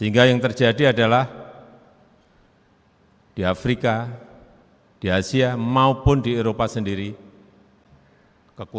rencana kerja detail harus kita miliki